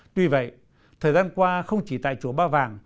tuy vậy thời gian qua không chỉ tại chùa ba vàng